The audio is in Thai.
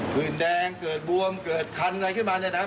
ื่นแดงเกิดบวมเกิดคันอะไรขึ้นมาเนี่ยนะ